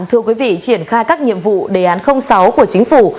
thưa quý vị triển khai các nhiệm vụ đề án sáu của chính phủ